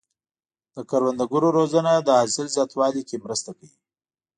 د کروندګرو روزنه د حاصل زیاتوالي کې مرسته کوي.